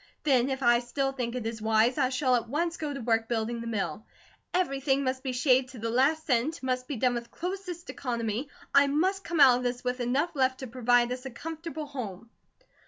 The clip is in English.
Then if I still think it is wise, I shall at once go to work building the mill. Everything must be shaved to the last cent, must be done with the closest economy, I MUST come out of this with enough left to provide us a comfortable home."